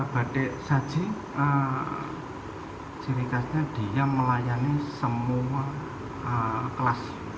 batik saji ciri khasnya dia melayani semua kelas